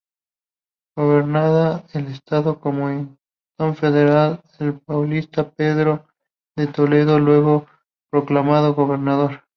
Gobernaba el estado, como interventor federal, el paulista Pedro de Toledo, luego proclamado gobernador.